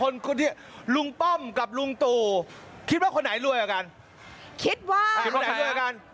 ลุงป้อมกับลุงตูคิดว่าคนไหนรวยเหลือกัน